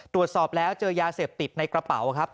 ตรวจสอบแล้วเจอยาเสพติดในกระเป๋าครับ